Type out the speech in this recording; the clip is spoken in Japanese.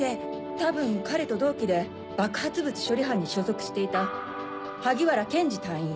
多分彼と同期で爆発物処理班に所属していた萩原研二隊員。